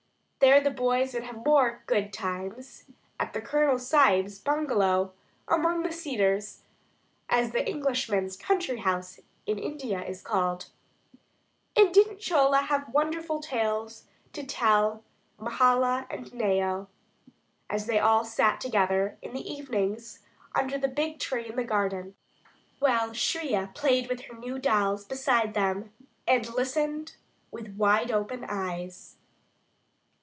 There the boys would have some more "good times" at the Colonel Sahib's bungalow, among the cedars, as the Englishman's country house in India is called. And didn't Chola have wonderful tales to tell to Mahala and Nao, as they all sat together in the evenings under the big tree in the garden, while Shriya played with her new dolls beside them and listened with wide open eyes.